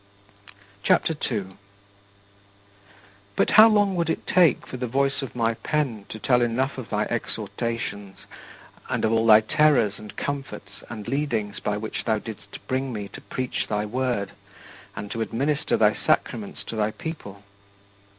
" CHAPTER II 2. But how long would it take for the voice of my pen to tell enough of thy exhortations and of all thy terrors and comforts and leadings by which thou didst bring me to preach thy Word and to administer thy sacraments to thy people?